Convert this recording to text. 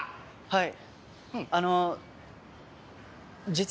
はい？